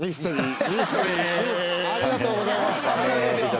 ありがとうございます。